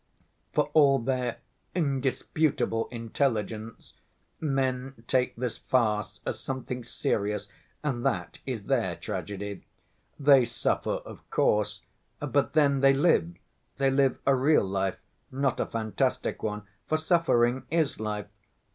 For all their indisputable intelligence, men take this farce as something serious, and that is their tragedy. They suffer, of course ... but then they live, they live a real life, not a fantastic one, for suffering is life.